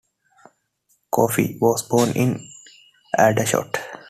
Coffey was born in Aldershot.